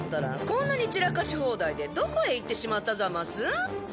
こんなに散らかし放題でどこへ行ってしまったざます？